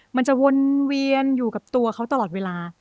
มันจะวนเวียนอยู่กับตัวเขาตลอดเวลา